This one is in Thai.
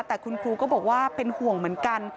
แต่คุณครูก็บอกว่าเป็นห่วงเหมือนกัน